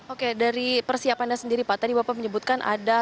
oke dari persiapannya sendiri pak tadi bapak menyebutkan ada